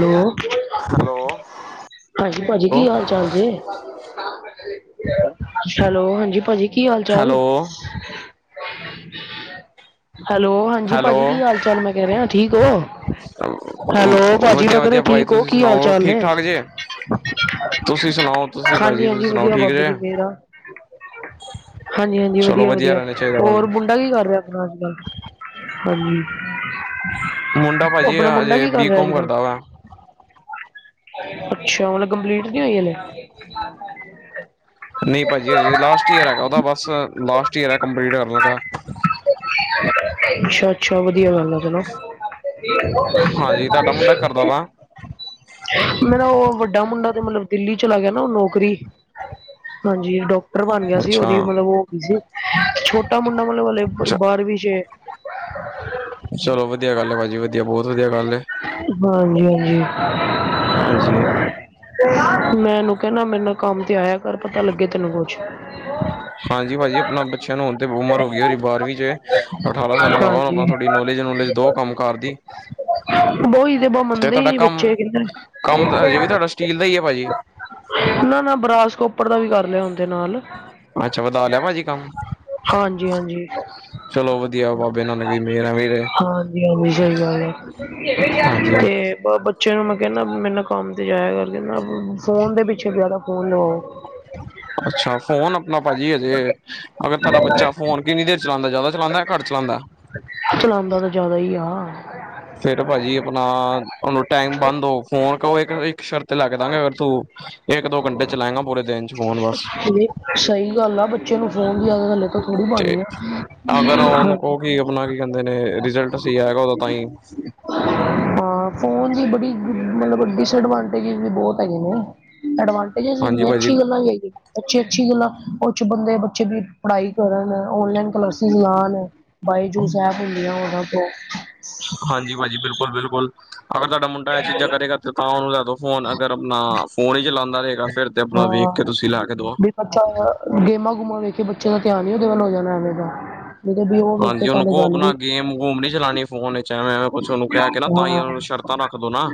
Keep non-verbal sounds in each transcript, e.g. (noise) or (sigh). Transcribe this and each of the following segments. Hello. Hello ਹਾਂਜੀ ਭਾਜੀ ਕੀ ਹਾਲ ਚਾਲ ਜੇ? ਹੈਲੋ ਹਾਂਜੀ ਭਾਜੀ। ਕੀ ਹਾਲ-ਚਾਲ? Hello hello. ਹਾਂਜੀ ਹੈਲੋ ਭਾਜੀ ਕੀ ਹਾਲ-ਚਾਲ ਮੈਂ ਕਹਿ ਰਿਹਾ ਠੀਕ ਔ? ਹੈਲੋ ਭਾਜੀ ਵਧੀਆ ਮੈਂ ਕਹਿੰਦਾ ਵਧੀਆ ਭਾਜੀ ਠੀਕ ਹੋ ਤੁਸੀਂ ਕੀ ਸੁਣਾਓ ਹਾਲ-ਚਾਲ ਠੀਕ ਨੇ? ਠਾਕ ਜੇ ਤੁਸੀਂ ਸੁਣਾਓ ਤੁਸੀਂ ਭਾਜੀ ਤੁਸੀਂ ਸੁਣਾਓ ਠੀਕ ਜੇ? ਹਾਂਜੀ-ਹਾਂਜੀ ਚਲੋ ਵਧੀਆ ਵਧੀਆ-ਵਧੀਆ, ਰਹਿਣਾ ਚਾਹੀਦਾ ਹੋਰ ਭਾਜੀ ਮੁੰਡਾ ਕੀ ਕਰ ਰਿਹਾ ਐ? ਰਾਤ ਦਾ, ਹਾਂਜੀ। ਮੁੰਡਾ ਭਾਜੀ ਆਪਣਾ ਮੁੰਡਾ ਅਜੇ ਕੀ ਕਰ ਬੀ ਰਿਹਾ ਅੱਜ ਕੌਮ ਕੱਲ ਕਰਦਾ ਵਾ। ਅੱਛਾ ਮਤਲਬ ਕੰਪਲੀਟ ਨੀ ਹੋਈ ਹਲੇ। ਨਹੀਂ ਭਾਜੀ ਜੀ ਹਜੇ ਲਾਸਟ ਈਅਰ ਹੈਗਾ ਉਹਦਾ ਬਸ ਲਾਸਟ ਈਅਰ ਐ ਕੰਪਲੀਟ ਕਰਨ ਲੱਗਾ। ਅੱਛਾ-ਅੱਛਾ ਵਧੀਆ ਗੱਲ ਆ ਚਲੋ। ਹੋਰ ਦੱਸਣ ਹਾਂਜੀ ਤੁਹਾਡਾ ਬਾਰਿਸ਼ ਜੀ ਮੁੰਡਾ ਹੁੰਦੀ ਕਰਦਾ ਪਈ ਐ। ਵਾ ਮੇਰਾ ਉਹ ਵੱਡਾ ਮੁੰਡਾ ਤੇ ਮਤਲਬ ਦਿੱਲੀ ਚਲਾ ਗਿਆ ਨਾ ਉਹ ਨੌਕਰੀ ਹਾਂਜੀ। ਡਾਕਟਰ ਬਣ ਗਿਆ ਸੀ ਉਹਦੀ ਅੱਛਾ ਮਤਲਬ ਉਹ ਜੀ ਛੋਟਾ ਮੁੰਡਾ ਮਤਲਬ ਹਜੇ ਬਾਰਵੀ 'ਚ ਐ। ਚਲੋ ਵਧੀਆ ਗੱਲ ਐ ਭਾਜੀ ਵਧੀਆ ਬਹੁਤ ਵਧੀਆ ਗੱਲ ਐ। ਹਾਂਜੀ-ਹਾਂਜੀ। ਹਾਂਜੀ। ਮੈ ਇਹਨੂੰ ਕਹਿਣਾ ਮੇਰੇ ਨਾਲ ਕੰਮ ਤੇ ਆਇਆ ਕਰ ਪਤਾ ਲੱਗੇ ਤੈਨੂੰ ਕੁਛ। ਹਾਂਜੀ ਭਾਜੀ ਆਪਣਾ ਬੱਚਿਆਂ ਨੂੰ ਹੁਣ ਤੇ ਉਮਰ ਹੋ ਗਈ ਐ ਔਰ ਬਾਰਵੀ 'ਚ ਅਠਾਰਾਂ ਸਾਲਾਂ ਦਾ ਹਾਂਜੀ। ਆਪਾਂ ਥੋੜ੍ਹੀ ਨੌਲੇਜ-ਨੌਲੇਜ। ਦੋ ਕੰਮ ਕਾਰ ਦੀ। ਬਹੁ ਹੀ ਦੇ ਬਹੁ ਤੇ ਮੰਨਦੇ ਹੀ ਤੁਹਾਡਾ ਨਹੀਂ ਬ ਕੰਮ ਬੱਚੇ ਕਿਧਰ ਕੰਮ ਤਾਂ ਹਜੇ ਵੀ ਤੁਹਾਡਾ ਜਾਂਦੇ। ਸਟੀਲ ਦਾ ਹੀ ਹੈ ਭਾਜੀ ਨਾ ੜ-ਨਾ ਬਰਾਸਕਪਰ ਦਾ ਵੀ ਕਰ ਲਿਆ ਹੁਣ ਤੇ ਨਾਲ। ਅੱਛਾ ਵਧਾ ਲਿਆ ਭਾਜੀ ਕੰਮ ਹਾਂਜੀ-ਹਾਂਜੀ। ਚਲੋ ਵਧੀਆ ਬਾਬੇ ਨਾਨਕ ਦੀ ਮਿਹਰ ਐਵੇਂ ਰਹੇ ਹਾਂਜੀ-ਹਾਂਜੀ ਸਹੀ ਗੱਲ ਹਾਂਜੀ ਐ। (inaudible) ਬੱਚੇ ਨੂੰ ਮੈਂ ਕਹਿੰਦਾ ਮੇਰੇ ਨਾਲ ਕੰਮ ਤੇ ਜਾਇਆ ਕਰਕੇ ਫੋਨ ਦੇ ਪਿੱਛੇ ਜ਼ਿਆਦਾ ਫੋਨ ਲਵਾਓ। ਅੱਛਾ ਫੋਨ ਆਪਣਾ ਭਾਜੀ ਅਜੇ ਅਗਰ ਥਾਰਾ ਬੱਚਾ ਫੋਨ ਕਿੰਨੀ ਦੇਰ ਚਲਾਦਾ ਜਿਆਦਾ ਚਲਾਇਆ ਘੱਟ ਚਲਾਦਾ। ਚਲਾਦਾ ਤਾਂ ਜ਼ਿਆਦਾ ਈ ਆ। ਫੇਰ ਭਾਜੀ ਆਪਣਾ ਉਹਨੂੰ ਟਾਈਮ ਬੰਨ ਲੋ ਫੋਨ ਕਰੋ ਇੱਕ-ਇੱਕ ਸ਼ਰਤ ਤੇ ਲੱਕੇ ਦਾ ਗੇ ਅਗਰ ਤੂੰ ਇੱਕ ਦੋ ਘੰਟੇ ਚਲਾਏਗਾ ਪੂਰੇ ਦਿਨ ਚ ਫੋ ਇਹ ਸਹੀ ਗੱਲ ਆ ਬੱਚੇ ਨੂੰ ਫੋਨ ਦੀ ਆਦਤ ਹੱਲੇ ਤੋਂ ਥੋੜ੍ਹੀ ਤੇ ਪਾਣੀ ਆ। ਅਗਰ ਹਾਂ ਉਹਨੂੰ ਕਉ ਕੀ ਆਪਣਾ ਕੀ ਕਹਿੰਦੇ ਨੇ ਰਿਜਲਟ ਸਹੀ ਆਏਗਾ ਉਦੋਂ ਤਾਈ। ਹਾਂ ਫੋਨ ਦੀ ਬੜੀ ਮਤਲਬ ਡਿਸਐਡਵਾਂਟੇਜ ਵੀ ਬਹੁਤ ਹੈਗੇ ਨੇ ਐਡਵਾਂਟੇਜ ਹਾਂਜੀ ਭਾਜੀ ਅੱਛੀ ਗੱਲਾਂ ਵੀ ਹੈ। ਅੱਛੀ ਅੱਛੀ ਗੱਲਾਂ ਉਹ ਚ ਬੰਦੇ ਬੱਚੇ ਦੀ ਪੜ੍ਹਾਈ ਕਰਨ ਔਨਲਾਈਨ ਕਲਾਸਿਸ ਲਾਉਣ। ਬਾਈ ਜੂਸ ਹੈ ਤੇ ਲੇ ਆਉ ਉਹਨਾਂ ਤੋਂ ਹਾਂਜੀ ਭਾਜੀ ਬਿਲਕੁਲ ਬਿਲਕੁਲ ਅਗਰ ਤੁਹਾਡਾ ਮੁੰਡਾ ਇਹ ਚੀਜ਼ਾਂ ਕਰੇਗਾ ਹਾਂ ਤੇ ਤਾਂ ਉਹਨੂੰ ਲੈ ਦੋ। ਫੋਨ ਅਗਰ ਆਪਣਾ ਫੋਨ ਹੀ ਚਲਾਉਂਦਾ ਰਹੇਗਾ ਫੇਰ ਤੇ ਆਪਣਾ ਵੇਖ ਕੇ ਤੁਸੀਂ ਲੈ ਕੇ ਦਵੋ। ਅੱਛਾ ਗੇਮਾਂ ਗੇਮਾਂ ਵੇਖ ਕੇ ਬੱਚੇ ਦਾ ਧਿਆਨ ਹੀ ਉਹਦੇ ਵੱਲ ਹੋ ਜਾਣਾ ਐਵੇਂ ਦਾ। ਜਦੋਂ ਵੀ ਉਹ ਵੇਖੇ ਹਾਂਜੀ ਉਹਨੂੰ ਕੱਲ ਕਉ ਗੱਲ ਆਪਣਾ ਵੀ ਗੇਮ ਗੂਮ ਨੀ ਚਲਉਣੀ ਫੋਨ ਵਿੱਚ ਐਵੇਂ ਕੁਛ ਉਹਨੂੰ ਕਹਿ ਕੇ ਨਾ ਤਾਂ ਹੀ ਉਹਨੂੰ ਸ਼ ਹਾਂ ਸ਼ਰਤਾਂ ਰੱਖਦੋ ਨਾ।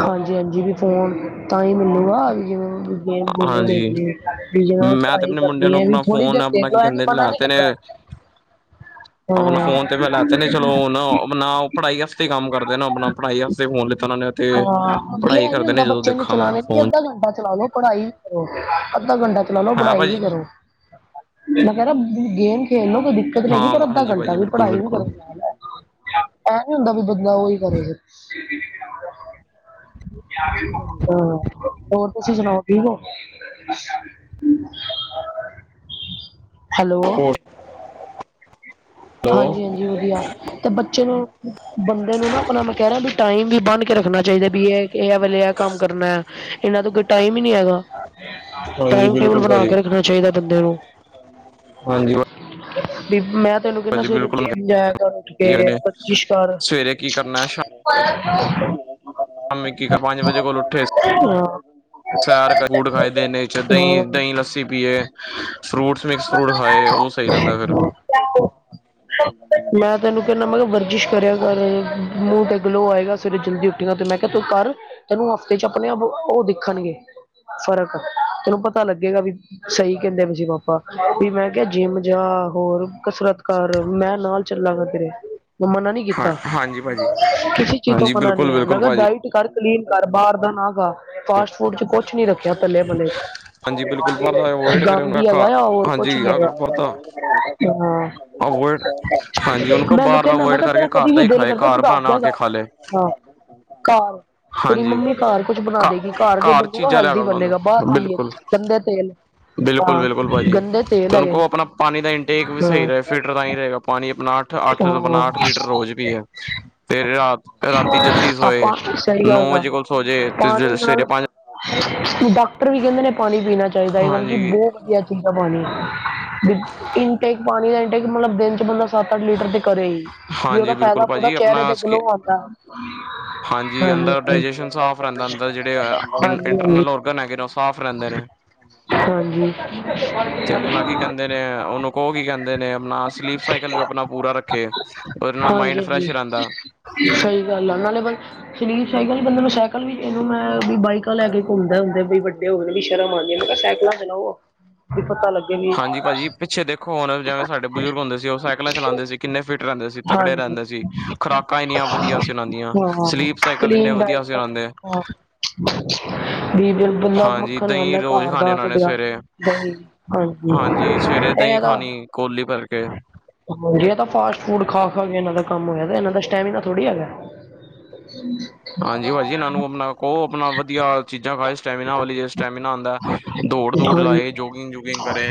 ਹਾਂਜੀ, ਹਾਂਜੀ ਵੀ ਫੋਨ ਤਾਂ ਹੀ ਮੈਨੂੰ ਆ ਜਿਵੇਂ ਗੇਮ ਗੇਮ ਹਾਂਜੀ ਦੇਖਣੀ ਜਿਨਾਂ ਨੇ ਮੈਂ ਤੇ ਪੜ੍ਹਾਈ ਆਪਣੇ ਮੁੰਡੇ ਕਰਨੀ ਨੂੰ ਹੈ ਵੀ ਆਪਣਾ ਥੋੜੀ ਫੋਨ ਦੇਰ ਦੇਖ ਆਪਣਾ ਕੀ ਲਓ ਹੈ ਨੀ ਕਹਿੰਦੇ ਪਤਾ ਨੀ ਲੈਤੇ ਨੇ ਕਿੱਦਾ (inaudible) ਆਪਣਾ ਫੋਨ ਪਹਿਲੇ ਲੈਤੇ ਨੇ ਚਲੋ ਹਣ ਨਾ ਉਹ ਪੜ੍ਹਾਈ ਵਾਸਤੇ ਕੰਮ ਕਰਦੇ ਨੇ ਆਪਣਾ ਪੜ੍ਹਾਈ ਵਾਤੇ ਫੋਨ ਲਿੱਤਾ ਉਹ ਨੇ ਤੇ ਹਾਂ ਹ ਪੜ੍ਹਾਈ ਇਹ ਨੀ ਕਰਦੇ ਨੇ ਹੁੰਦਾ ਜਦੋਂ ਬੱਚੇ ਨੂੰ ਦੇਖਾਂ ਮੈਂ ਚਲਾਣੇ ਫੋਨ ਅੱਧਾ ਘੰਟਾ ਚਲਾ ਲੋ ਪੜ੍ਹਾਈ ਵੀ ਕਰੋ ਅੱਧਾ ਘੰਟਾ ਚਲਾ ਲੋ ਹਾਂ ਪੜ੍ਹਾਈ ਵੀ ਭਾਜੀ ਕਰੋ। ਮੈਂ ਕਹਿ ਰਿਹਾ ਗੇਮ ਖੇਲ ਲਉ ਕੋਈ ਦਿੱਕਤ ਨੀ ਹੈਗੀ ਹਾਂ ਪਰ ਅੱਧਾ ਹਾਂਜੀ ਘੰਟਾ ਭਾਜੀ ਵੀ ਬਿਲਕੁਲ ਪੜ੍ਹਾਈ ਵੀ ਬਿਲਕੁਲ ਕਰਨ ਲਗਦਾ। ਐ ਨੀ ਹੁੰਦਾ ਬ ਬੰਦਾ ਉਹੀ ਕਰੇ ਫਿਰ ਹਾਂ ਹੋਰ ਤੁਸੀਂ ਸੁਣਾਓ ਠੀਕ ਹੋ? ਹੈਲੋ ਹੋਰ ਹਾਂਜੀ, ਹਾਂਜੀ ਵਧੀਆ ਤੇ ਬੱਚੇ ਨੂੰ ਬੰਦੇ ਨੂੰ ਨਾ ਆਪਣਾ ਮੈਂ ਕਹਿ ਰਿਹਾ ਵੀ ਟਾਈਮ ਵੀ ਬੰਨ ਕੇ ਰੱਖਣਾ ਚਾਹੀਦਾ ਵੀ ਇਹ ਵਾਲੇ ਕੰਮ ਕਰਨਾ ਹੈ ਇਹਨਾਂ ਤੋਂ ਕੋਈ ਟਾਈਮ ਹੀ ਨਹੀਂ ਹੈਗਾ ਹਾਂਜੀ ਟਾਈਮ ਟੇਬਲ ਬਿਲਕੁਲ ਬਣਾ ਭਾਜੀ ਕੇ ਰੱਖ ਣਾ ਚਾਹੀਦਾ ਬੰਦੇ ਨੂੰ ਵਾਹ ਜੀ ਵਾਹ। ਮੈਂ ਤੁਹਾਨੂੰ ਕਹਿੰਦਾ ਸਵੇਰੇ ਬਿਲਕੁਲ ਜਿਮ ਜਾਇਆ ਘਰ ਉੱਠ ਕੇ ਨੇ ਵਰਜਿਸ਼ ਕਰ। ਸਵੇਰੇ ਕੀ ਕਰਨਾ ਕਰਨ ਸ਼ਾਮੀ ਕੀ ਕਰਨਾ, ਪੰਜ ਵਜੇ ਕੋਲ ਉੱਠੇ ਦਿਓ (unintelligible) ਸੈਰ ਫਰੂਟ ਖਾਈਦੇ ਨੇ ਦਹੀਂ ਦਹੀਂ ਲੱਸੀ ਪੀਏ ਫਰੂਟਸ ਮਿਕਸ ਫਰੂਟ ਖਾਏ ਉਹ ਸਹੀ ਰਹਿੰਦਾ ਹੈ ਫਿਰ (inaudible) ਮੈਂ ਤੈਨੂੰ ਕਹਿੰਦਾ ਮੈਂ ਕਿਹਾ ਵਰਜਿਸ਼ ਕਰਿਆ ਕਰ ਮੂੰਹ ਤੇ ਗਲੋ ਆਏਗਾ। ਸਵੇਰੇ ਜਲਦੀ ਉਠੇਗਾ ਤੇ ਮੈਂ ਕਿਹਾ ਤੂੰ ਕਰ ਤੈਨੂੰ ਹਫ਼ਤੇ ਚ ਆਪਣੇ ਆਪ ਉਹ ਦਿਖਣਗੇ। ਫ਼ਰਕ ਤੈਨੂੰ ਪਤਾ ਲੱਗੇਗਾ ਵੀ ਸਹੀ ਕਹਿੰਦੇ ਵੀ ਸੀ ਪਾਪਾ ਵੀ ਮੈਂ ਕਿਹਾ ਜਿੰਮ ਜਾ ਹੋਰ ਕਸਰਤ ਕਰ ਮੈਂ ਨਾਲ ਚੱਲਾਂਗਾ ਤੇਰੇ ਮੰਮਾ ਨਾ ਨੀ ਹਾਂ ਕੀਤਾ ਹਾਂਜੀ ਭਾਜੀ ਕਿਸੇ ਚੀਜ਼ ਤੋਂ ਹਾਂਜੀ ਮਨਾ ਨੀ ਬਿਲਕੁਲ ਹੈ ਮੈਂ ਬਿਲਕੁਲ ਕਿਹਾ ਭਾਜੀ ਡਾਇਟ ਕਰ ਕਲੀਨ ਕਰ ਬਾਹਰ ਦਾ ਨਾ ਖਾ ਫਾਸਟ ਫੂਡ ਚ ਕੁਛ ਨੀ ਰੱਖ ਰੱਖਿਆ ਕੱਲੇ ਬੰਦੇ ਵਿੱਚ ਹਾਂਜੀ ਬਿਲਕੁਲ ਪਰਦਾ ਅਵੋਇਡ ਕਰੇ ਕੰਮ ਉਹਨੂੰ ਕੀ ਹੈਗਾ ਹੋਰ ਕੁਛ ਹਾਂਜੀ ਨੀ ਅਗਰ ਪਰਦਾ ਹੈਗਾ ਹਾਂ ਅਵੋਇਡ ਹਾਂਜੀ ਉਹਨੂੰ ਕਹੋ ਮੈਨੂੰ ਬਾਹਰ ਦਾ ਕਹਿੰਦਾ ਮੈਂ ਅਵੋਇਡ ਕਿਹਾ ਕਰਕੇ ਤੇਰਾ ਘਰ ਕਦੀ ਦਾ ਵੀ ਹੀ ਦਿਲ ਖਾਏ ਕਰਦਾ ਤੂੰ ਘਰ ਦੱਸ ਬਣਾ ਦਿਆ ਕੇ ਕਰ। ਖਾ ਲਏ ਹਾਂ ਘ ਤੇਰੀ ਹਾਂਜੀ ਮੰਮੀ ਘਰ ਕੁਛ ਬਣਾ ਘ ਦੇਗੀ ਘਰ ਜੋ ਬਣੇਗੀ ਉਹ ਚੀਜ਼ਾਂ ਲਿਆ ਹੈਲਦੀ ਕੇ ਬਣਾ ਬਣੇਗਾ ਬਾਹਰ ਦੋ ਕੀਏ ਬਿਲਕੁਲ ਗੰਧੇ ਤੇਲ ਬਿਲਕੁਲ ਬਿਲਕੁਲ ਹਾਂ ਭਾਜੀ ਗੰਦੇ ਤੇਲ ਤੇ ਉਹ ਹੈਗੇ ਕੋੋ ਨੇ ਆਪਣਾ ਪਾਣੀ ਦਾ ਇਨਟੇਕ ਵੀ ਸਹੀ ਹਾਂ ਰਹੇ ਫਿਲਟਰ ਤਾਂ ਹੀ ਰਹੇਗਾ ਪਾਣੀ ਆਪਣਾ ਅੱਠ ਅੱਠ ਬ ਹਾਂ ਅੱਠ ਲੀਟਰ ਰੋਜ਼ ਵੀ ਹੈ ਤੇ ਰਾਤ ਰਾਤੀ ਜਲਦੀ ਸੋਏ ਆਪਾਂ ਸਹੀ ਨੌ ਗੱਲ ਆ ਵਜੇ ਕੋਲ ਸੋ ਜੇ ਤੇ ਪਾਣੀ ਸਵੇਰੇ ਨਾਲ ਪੰਜ ਡਾਕਟਰ ਵੀ ਕਹਿੰਦੇ ਨੇ ਪਾਣੀ ਪੀਣਾ ਚਾਹੀਦਾ ਈਵਨ ਕਿ ਹਾਂਜੀ ਬਹੁਤ ਵਧੀਆ ਚੀਜ਼ ਹੈ ਪਾਣੀ ਇਨਟੇਕ ਪਾਣੀ ਦਾ ਇਨਟੇਕ ਮਤਲਬ ਦਿਨ ਚ ਬੰਦਾ ਸੱਤ ਅੱਠ ਲੀਟਰ ਤੇ ਕਰੇ ਹੀ ਵੀ ਉਹਦਾ ਹਾਂਜੀ ਬਿਲਕੁਲ ਫਾਇਦਾ ਪੂਰਾ ਭਾਜੀ ਚਿਹਰੇ ਆਪਣਾ ਤੇ ਸਕਿ ਗਲੋਂ ਆਉਂਦਾ। ਹਾਂਜੀ ਅੰਦਰ ਡਾਇਜੈਸ਼ਨ ਸਾਫ਼ ਰਹਿੰਦਾ ਅੰਦਰ ਜਿਹੜੇ ਹਾਂਜੀ ਇੰਟਰਨਲ ਔਰਗਨ ਹੈਗੇ ਨੇ ਉਹ ਸਾਫ਼ ਰਹਿੰਦੇ ਨੇ। ਹਾਂਜੀ। ਓਹ ਕੀ ਕਹਿੰਦੇ ਨੇ ਆਪਣਾ ਸਲੀਪ ਸਾਈਕਲ ਵੀ ਆਪਣਾ ਪੂਰਾ ਰੱਖੇ ਉਹਦੇ ਨਾਲ ਮਾਇੰਡ ਫਰੈਸ਼ ਹਾਂਜੀ ਰਹਿੰਦਾ। ਸਹੀ ਗੱਲ ਆ ਨਾਲੇ ਬ ਸ਼ਲੀਰ ਸਾਈਕਲ ਬੰਦਾ ਮੈਂ ਸਾਈਕਲ ਵੀ ਕ ਮੈਂ ਵੀ ਬਾਈਕਾਂ ਲੈ ਕੇ ਘੁੰਮਦਾ ਹੁੰਦੇ ਬਈ ਵੱ ਓ ਵੀ ਸ਼ਰਮਉਂਦੀ ਮੈਂ ਕਿਹਾ ਸਾਈਕਲਾ ਚਓ ਵੀ ਪਤਾ ਲੱਗੇ ਵੀ ਹਾਂਜੀ ਭਾਜੀ ਪਿੱਛੇ ਦੇਖੋ ਹੁਣ ਜਵੇ ਸਾਡੇ ਬਜ਼ੁਰਗ ਹੁੰਦੇ ਸੀ। ਉਹ ਸਾਈਕਲਾਂ ਚਲਾਉਂਦੇ ਸੀ। ਕਿੰਨੇ ਫਿੱਟ ਰਹਿੰਦੇ ਸੀ। ਤਗੜੇ ਹਾਂਜੀ ਰਹਿੰਦੇ ਸੀ। ਖੁਰਾਕਾਂ ਇਨ ਵਧੀਆ ਚਲਾਉਂਦੀਆਂ। ਹਾਂ ਕਲੀਨ ਡ ਦੀਪ ਗੱਲਾ ਹਾਂਜੀ ਮੱਖਣ ਦਹੀਂ ਖਾਦਾ ਰੋਜ਼ ਘਰ ਖਾਣੀ ਦਾ ਉਹਨਾਂ ਨੇ ਕੱਡਿਆ। ਸਵੇਰੇ ਦ ਹਾਂਜੀ ਸਵੇਰੇ ਦਹੀਂ ਤਾਂ ਖਾਣੀ ਕੋਲੀ ਭਰ ਕੇ ਜੇ ਤਾਂ ਫਾਸਟ ਫੂਡ ਖਾ- ਖਾ ਕੇ ਇਹਨਾਂ ਦਾ ਕੰਮ ਹੋਇਆ ਇਹਨਾਂ ਦਾ ਸਟੈਮੀਨਾ ਥੋੜੀ ਹੈਗਾ। (unintelligible) ਹਾਂਜੀ ਭਾਜੀ ਏਨਾਂ ਨੂੰ ਆਪਣਾ ਕੋ ਆਪਣਾ ਵਧੀਆ ਚੀਜ਼ਾਂ ਖਾਏ, ਸਟੈਮੀਨਾ ਵਾਲੀ ਜੇ ਸਟੈਮੀਨਾ ਆਂਦਾ। ਦੌੜ- ਦੂੜ ਹਾਂਜੀ ਲਾਏ, ਜੋਗਿੰਗ- ਜੂਗਿੰਗ ਕਰੇ।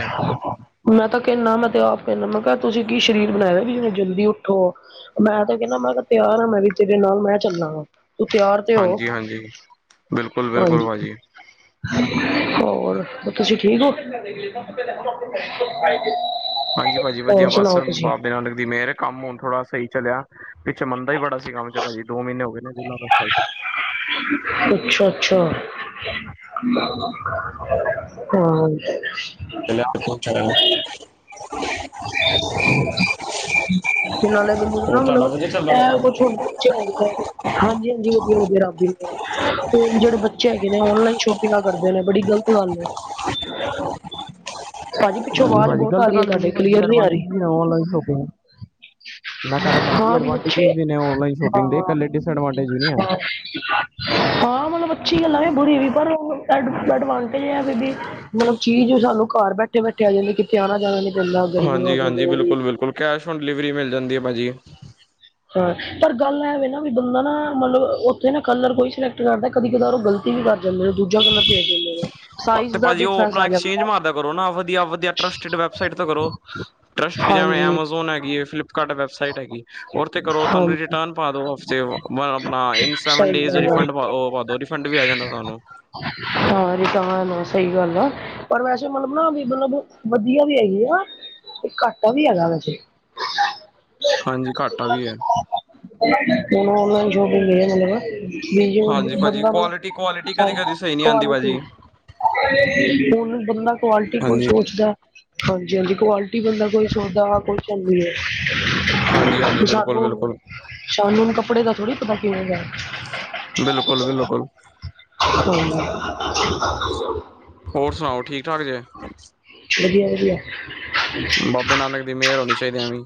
ਮੈਂ ਤਾਂ ਕੈਨਾ ਮੈਂ ਤੇ ਆਪ ਕੈਨਾ, ਮੈਂ ਕਿਆ ਤੁਸੀਂ ਕੀ ਸਰੀਰ ਬਣਾਇਆ ਵੀ ਜਿਵੇਂ ਜਲਦੀ ਉੱਠੋ। ਮੈਂ ਤਾਂ ਕੈਂਦਾ ਮੈਂ ਕਿਆ ਤਿਆਰ ਆ ਮੈਂ ਵੀ ਤੇਰੇ ਨਾਲ ਮੈਂ ਚੱਲਾਂਗਾ। ਤੂੰ ਤਿਆਰ ਤੇ ਓ ਹਾਂਜੀ ਹਾਂਜੀ ਬਿਲਕੁਲ ਬਿਲਕੁਲ ਹਾਂਜੀ। ਭਾਜੀ ਹੋਰ ਤੁਸੀਂ ਠੀਕ ਓ। (unintelligible) ਹਾਂਜੀ ਭਾਜੀ ਵਧੀਆ ਬੱਸ। ਬਾਬੇ ਨਾਨਕ ਦੀ ਮੇਰ ਏ ਕੰਮ ਹੁਨ ਥੋੜਾ ਸਈ ਚੱਲਿਆ, ਪਿੱਛੇ ਮੰਦਾ ਈ ਬੜਾ ਸੀ ਕੰਮ 'ਚ ਭਾਜੀ ਦੋ ਮਹੀਨੇ ਹੋ ਗੇ। ਕਿਨੇ ਦਿਨਾਂ ਤਕ ਚਲਦਾ। (unintelligible) ਅੱਛਾ ਅੱਛਾ। (unintelligible) (unintelligible) (unintelligible) (unintelligible) ਤੁਹਾਡਾ ਵਧੀਆ ਚੱਲਦਾ ਵਾ ਕੰਮ ਹਾਂਜੀ ਹਾਂਜੀ ਵਧੀਆ ਵਧੀਆ ਰਬ ਦੀ ਦਆ। ਹੁਨ ਜੜੇ ਬੱਚੇ ਹੈਗੇ ਨੇ ਔਨਲਾਈਨ ਸ਼ੋਪਿੰਗਾਂ ਕਰਦੇ ਨੇ ਬੜੀ ਗਲਤ- ਗਲ ਏ। (inaudible) ਪਿੱਛੋਂ ਨਈ ਆਵਾਜ਼ ਭਾਜੀ ਬਹੁਤ ਆ ਗਲਤ ਰਹੀ ਹੈ ਗੱਲ ਵੀ ਨੀ ਤੁਹਾਡੇ ਭਾਜੀ। ਕਲੀਅਰ ਨਹੀਂ ਆ ਰਹੀ ਅਡਵਾਨਟੇਜ ਵੀ ਔਨਲਾਇਨ ਸੌ਼ਪਿੰਗ- ਮੈਂ ਕੈ ਰਾ ਭਾਜੀ ਹਾਂ ਵੀ ਅੱਛੇ ਐਡਵਾਂਟਜਿਜ ਵੀ ਨੇ ਔਨਲਾਈਨ ਸ਼ੋਪਿੰਗ ਦੇ ਹਾਂ ਕੱਲੇ ਡਿਸਐਡਵਾਂਟੇਜ ਵੀ ਨੀ ਆ। ਹਾਂ, ਹਾਂ ਮਲਬ ਅੱਛੀ ਗੱਲਾਂ ਵੀ ਬੁਰੀ ਵੀ ਪਰ ਐਡਵਾਂਟੇਜਿ ਐ ਫਿਰ ਬੀ- ਮਲਬ ਚੀਜ਼ ਸਾਨੂੰ ਘਰ ਬੈਠੇ ਬੈਠੇ ਆ ਜਾਂਦੀ। ਕਿਤੇ ਆਣਾ ਜਾਣਾ ਨੀ ਪੈਂਦਾ ਗਰਮੀਆਂ ਹਾਂਜੀ 'ਚ ਹਾਂਜੀ ਜੋ ਵੀ। ਬਿਲਕੁਲ ਬਿਲਕੁਲ ਕੈਸ਼ ਔਨ ਡਿਲੀਵਰੀ ਮਿਲ ਜਾਂਦੀ ਏ ਭਾਜੀ। ਅ ਪਰ ਗੱਲ ਇਹਵੇ ਨਾ ਵੀ ਬੰਦਾ ਨਾ ਮਤਲਬ ਉੱਥੇ ਨਾ ਕਲਰ ਕੋਈ ਸਿਲੈਕਟ ਕਰਦਾ ਕਦੀ ਕਦਾ ਗਲਤ। ਵੀ ਕਰ ਜਾਂਦੇ ਨੇ ਦੁੱਖ। ਤੇ ਭਾਜੀ ਉਹ ਡਿਫਰੈਂਸ ਆਪਣਾ ਆ ਐਕਸਚੇਂਜ ਜਾਂਦਾ ਮਾਰਦਾ ਕਰੋ ਨਾ ਵਧੀਆ ਵਧੀਆ ਟਰਸਟਡ ਵੈਬਸਾਈਟ ਤੋਂ ਕਰੋ। ਟਰੱਸਟਡ ਜਿਵੇਂ ਹਾਂਜੀ ਐਮਾਜੋਨ ਹੈਗੀਏ ਫਲਿੱਪਕਾਰਟ ਵੈ। ਪੇਅਮੈਟ ਹੈਗੀ ਉਹਦੇ ਤੇ ਕਰੋਂ ਤੁਹਾਂਨੂੰ ਹਾਂਜੀ ਰਿਟਰਨ ਪਾ ਦੋ ਉੱਥੇ ਆਪਣਾਂ ਈਨ ਸੈਵਨ ਸਹੀ ਡੇਜ। ਗੱਲ ਆ ਫੰਡ ੲੌ ਰਿਫੰਡ ਵੀ ਆ ਜਾਂਦਾ ਤੁਹਾਂਨੂੰ। ਹਾਂ ਤਾਂ ਸਹੀ ਗੱਲ਼ ਆ। ਪਰ ਵੈਸੇ ਮੱਤਲਬ ਨਾ ਵੀ ਮੱਤਲਬ ਵਧੀਆਂ ਵੀ ਹੈਗੇ ਵਾ। ਤੇ ਘਾਟਾਂ ਵੀ ਹੈਗਾ ਵੈਸੇ। ਹਾਂਜੀ ਘਾਟਾਂ ਵੀ ਹੈਂ। ਉਹਨੂੰ ਔਨਲਾਈਨ ਸ਼ੋਪਿੰਗ। ਵੀ ਜੇ ਹਾਂਜੀ ਭਾਜੀ ਬੰਦਾਂ ਕੁਆਲਿਟੀ ਕੁਆਲਿਟੀ ਕਦੀ ਮੱਤਲਬ ਕਦੀ ਸਹੀ ਨਹੀਂ ਆਉਂਦੀ ਕੁਆਲਿਟੀ। ਭਾਜੀ ਹੁਣ ਬੰਦਾਂ ਕੁਅਲਿਟੀ ਕੋਈ ਹਾਂਜੀ ਸੋਚਦਾਂ। ਹਾਂਜੀ, ਹਾਂਜੀ ਕੁਅਲਿਟੀ ਬੰਦਾਂ ਕੋਈ ਸੌਚਦਾ ਵਾ ਕੋਈ ਚੰਗੀ ਜਿ। ਹਾਂਜੀ ਹਾਂਜੀ ਬਿਲਕੁਲ ਛਾਨੂੰ ਬਿਲਕੁਲ ਸ਼ਾਨੂੰ ਹੁਣ ਕੱਪੜੇ ਦਾ ਥੋੜ੍ਹੀ ਪਤਾਂ ਕਿਵੇਂ ਦਾ ਏਂ। ਬਿਲਕੁੱਲ ਬਿਲਕੁੱਲ। ਹੂੰ। ਹੋਰ ਸੁਣਾਓ ਠੀਕ ਠਾਕ ਜੇ। ਵਧੀਆਂ ਵਧੀਆਂ। ਬਾਂਬੇ ਨਾਨਕ ਦੀ ਮਿਹਰ ਹੋਣੀਂ ਚਾਹੀਦੀ ਐਂਵੇਂ ਈ।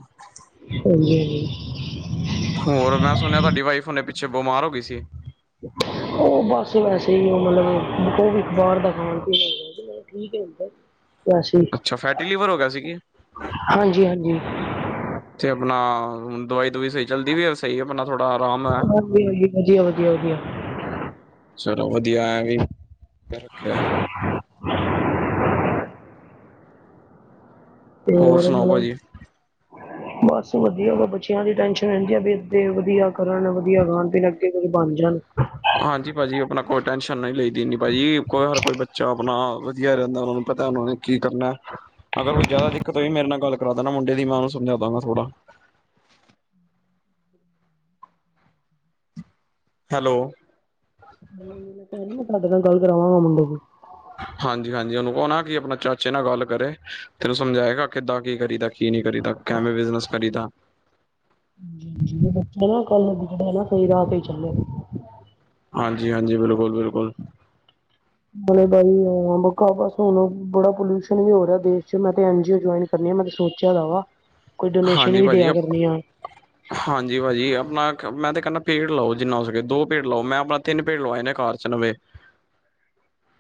ਹਾਂਜੀ, ਹਾਂਜੀ। ਹੋਰ ਮੈਂ ਸੁਣਿਆਂ ਤੁਹਾਡੀ ਵਾਈਫ ਹੁਣੇ ਪਿੱਛੇ ਬਿਮਾਰ ਹੋ ਗਈਂ ਸੀਂ। ਉਹ ਬਸ ਵੈਸੇ ਹੀ। ਉਹ ਮੱਤਲਬ ਉਹ ਵੀ ਬਾਹਰ ਦਾ ਖਾਣ ਪੀਣ। ਠੀਕ ਹੈਂ ਓਦਾਂ ਵੈਸੇ। ਅੱਛਾ ਫੈਂਟੀ ਲਿਵਰ ਹੋ ਗਿਆਂ ਸੀ ਕਿ। ਹਾਂਜੀ, ਹਾਂਜੀ। ਤੇ ਆਪਣਾਂ। ਹੁਣ ਦਵਾਈ ਦਵੁਈ ਸਹੀ ਚੱਲਦੀ ਵੈਸੇ। ਸਹੀ ਆਪਣਾ ਥੋੜਾਂ ਅਰਾਮ ਹੈਂ। ਹਾਂਜੀ ਹਾਂਜੀ ਵਧੀਆ ਵਧੀਆ ਵਧੀਆ ਚਲੋਂ ਵਧੀਆਂ ਐਂ ਵੀ। ਰੱਖਿਆਂ ਹੋਇਆਂ। (inaudible) ਤੇ ਹੋਰ ਸੁਣਾਓ ਮੱਤਲਬ। ਭਾਜੀ ਬਸ ਵਧੀਆਂ ਵਾ ਬੱਚਿਆਂ ਦੀ ਟੈਂਸ਼ਨ ਰਹਿੰਦੀ ਆ। ਵੀ ਇਹ ਵਧੀਆਂ ਕਰਨ ਵਧੀਆਂ ਖਾਣ। ਤੇ ਕੂੱਝ ਬਣ ਜਾਂਣ। ਹਾਂਜੀ ਭਾਜ਼ੀ ਆਪਣਾਂ ਕੋਈ ਟੈਨਸ਼ਨ ਨਹੀਂ ਲਈ ਦੀ ਏਨੀ ਭਾਜ਼ੀ ਕੋਈ। ਹਰ ਕੋਈ ਬੱਚਾ ਆਪਣਾਂ ਵਧੀਆਂ ਰਹਿੰਦਾਂ ਉਹਨਾਂ ਨੂੰ ਪਤਾਂ ਉਹਨਾਂ ਨੇਂ। ਕੀ ਕਰਨਾਂ ਅਗਰ ਕੋਈ ਜ਼ਿਆਦਾ ਦਿੱਕਤ ਹੋਈ। ਮੇਰੇ ਨਾਲ਼ ਗੱਲ਼ ਕਰਾਂ ਦੇਣਾਂ ਮੁੰਡੇ ਦੀ ਮੈਂ ਉਹਨੂੰ ਸਮਝਾਦਾ ਗਾ ਥੋੜਾਂ। ਹੈਲੋ। ਕੱਲ੍ਹ ਮੈਂ ਤੁਹਾਡੇ ਨਾਲ਼ ਗੱਲ਼ ਕਰਾਵਾਂਗਾ ਮੁੰਡੇ ਦੀ। ਹਾਂਜੀ ਹਾਂਜੀ ਉਹਨੂੰ ਕਹੋ ਨਾਂ ਕਿ ਆਪਣਾਂ ਚਾਚੇ ਨਾਲ਼ ਗੱਲ਼ ਕਰੇ। ਤੇ ਇਹਨੂੰ ਸਮਝਾਏਗਾ ਕਿੱਦਾਂ ਕੀ ਕਰੀਦਾ। ਕੀ ਨੀਂ ਕਰੀ ਦਾ। ਕੈਵੇਂ ਬਿਜ਼ਨਸ ਕਰੀਂ ਦਾ। (inaudible) ਹਾਂਜੀ, ਹਾਂਜੀ। ਬਿਲਕੁੱਲ, ਬਿਲਕੁੱਲ। ਹੁਣੇ ਬਾਈ ਔਖਾਂ ਬਸ ਹੁਣ ਬੜਾਂ ਪੋਲਿਊਸ਼ਨ ਵੀ ਹੋ ਰਿਹਾਂ ਦੇਸ਼ ਚ ਮੈਂ ਤੇ ਐਨਜੀਓ ਚਲਾਉਣੀ। ਕਰਨੇਂ ਮੈਂ ਤੇ ਸੋਚਿਆਂ‌ ਹੈਗਾ ਵਾ਼ ਹਾਂਜੀ ਭਾਜ਼ੀ ਅਪ। ਹਾਂਜੀ ਭਾਜੀ ਆਪਣਾਂ ਮੈਂ ਤੇ ਕਹਿਣਾ ਪੇੜ ਲਾਓ ਜਿੰਨਾਂ ਹੋ ਸਕੇ ਦੋ ਪੇੜ ਲਾਓ। ਮੈਂ ਆਪਣਾਂ ਤਿੰਨ ਪੇੜ ਲਵਾਏ ਨੇਂ ਘਰ ਚ ਨਵੇਂ।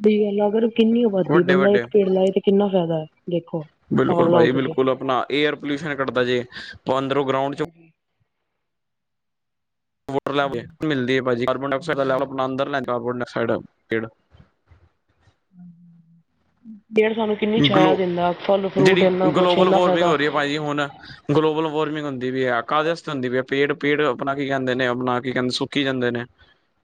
ਤੇ ਅਗਰ ਕਿੰਨੀਂ ਅਬਾਦੀ ਵੱਡੇ ਬੰਦਾਂ ਵੱਡੇ ਇੱਕ ਪੇੜ ਲਾਏ ਤੇ ਕਿੰਨਾਂ ਫ਼ਾਇਦਾ ਹੈਂ। ਦੇਖੋਂ। ਬਿਲਕੁੱਲ ਭਾਜ਼ੀ ਬਿਲਕੁੱਲ ਆਪਣਾਂ ਏਅਰ ਪੋਲਿਊਸ਼ਨ ਘੱਟਦਾ ਜੇ ਉਹ ਅੰਦਰੋਂ ਗਰਾਉਂਡ ਚ (inaudible) ਤੇ ਇਹ ਸਾਂਨੂੰ ਕਿੰਨੀਂ ਛਾਇਆ ਗਲੋ ਦਿੰਦਾਂ ਫਲ ਫਰੂਟ ਇੰਨਾਂ ਕੁੱਛ ਇੰਨਾਂ ਫ਼ਾਇਦਾ। ਕਈ ਹੁਣ ਗਲੋਬਲ ਵਾਰਮਿੰਗ ਹੁੰਦੀਂ ਪਈ ਹੈਂ। ਕਾਹਦੇ ਵਾਸਤੇ ਹੁੰਦੀ ਪਈ ਹੈਂ। ਪੇੜ ਪੇੜ ਆਪਣਾਂ ਕੀ ਕਹਿੰਦੇ ਨੇਂ ਆਪਣਾਂ ਕੀ ਕਹਿੰਦੇ। ਕੀ ਕਹਿੰਦੇ ਨੇਂ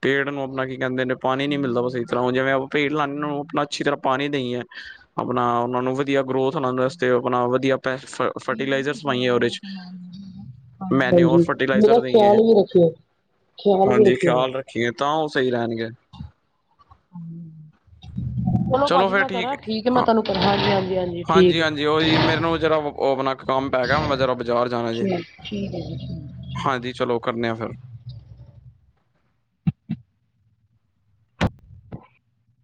ਪੇੜ ਨੂੰ ਆਪਣਾਂ ਕੀ ਕਹਿੰਦੇ ਨੇਂ ਪਾਣੀ ਨੀਂ ਮਿਲ਼ਦਾ ਬਸ ਇਸ ਤਰ੍ਹਾਂ ਜਿਵੇਂ ਪਹਿਲਾਂ ਉਨੂੰ ਆਪਣਾਂ ਅੱਛੀ ਤਰ੍ਹਾਂ ਪਾਣੀਂ ਦਈਏ। ਆਪਣਾਂ ਉਹਨਾਂ ਨੂੰ ਵਧੀਆਂ ਗਰੋਥ ਉਹਨਾਂ ਦੇ ਵਾਸਤੇ ਆਪਣਾਂ ਵਧੀਆਂ ਪੈਫ ਮੈਨਓਰ ਹਾਂਜੀ ਮੇਰਾ ਫਰਟੀਲਾਈਜ਼ਰ ਦੇਈਏ ਖ਼ਿਆਲ ਵੀ ਰੱਖਿਓ। ਖਿਆਲ ਵੀ ਰੱਖਿਆ। ਜੇ ਤਾਂ ਉਹ ਸਹੀ ਰਹਿਣਗੇ। (unintelligible) ਚਲੋ ਭਾਜੀ ਮੈਂ ਕਰਾ ਠੀਕ ਏ ਮੈਂ ਤੁਹਾਨੂੰ ਕ ਹਾਂਜੀ ਹਾਂਜੀ ਹਾਂਜੀ ਠੀਕ। ਹਾਂਜੀ ਉਹੀ ਮੈਨੂੰ ਜਰਾ ਉਹ ਆਪਣਾ ਕੰਮ ਪੈ ਗਿਆ ਮੈਂ ਜਰਾ ਬਾਜ਼ਾਰ ਜਾਣਾ ਜੇ ਠੀ ਠੀਕ ਏ ਜੀ ਠੀਕ। ਹਾਂਜੀ ਚਲੋ ਕਰਨੇ ਆ ਫਿਰ।